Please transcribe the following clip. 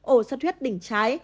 ổ suốt huyệt đỉnh trái